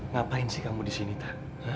ngapain sih kamu di sini tah